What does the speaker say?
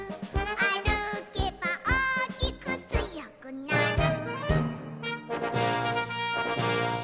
「あるけばおおきくつよくなる」